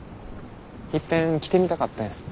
いっぺん来てみたかってん。